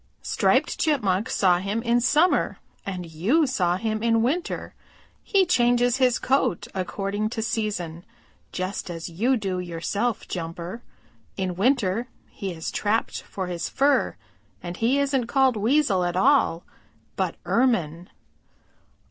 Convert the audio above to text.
"Striped Chipmunk saw him in summer and you saw him in winter. He changes his coat according to season, just as you do yourself, Jumper. In winter he is trapped for his fur and he isn't called Weasel then at all, but Ermine."